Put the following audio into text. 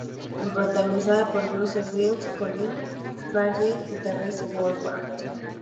Es protagonizada por Bruce Willis, Colin Farrell y Terrence Howard.